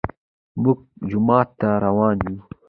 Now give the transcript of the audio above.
موږ جومات ته روان يو